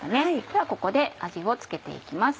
ではここで味を付けて行きます。